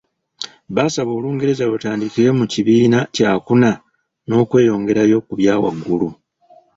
Baasaba Olungereza lutandikire mu kibiina kyakuna n’okweyongerayo ku byawagulu.